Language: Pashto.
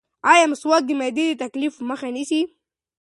ایا مسواک د معدې د تکالیفو مخه نیسي؟